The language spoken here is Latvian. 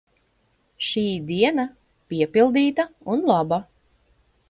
Šī diena – piepildīta un laba.